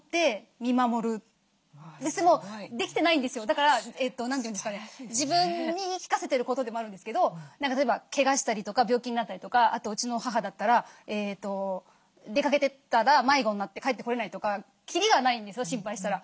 だから何て言うんですかね自分に言い聞かせてることでもあるんですけど例えばけがしたりとか病気になったりとかうちの母だったら出かけてったら迷子になって帰ってこれないとかきりがないんですよ心配したら。